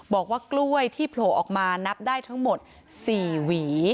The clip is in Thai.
บอกว่ากล้วยที่โผล่ออกมานับได้ทั้งหมด๔หวี